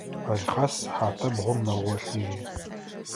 Алхъас сыхьат бгъум мэгъолъыжьы.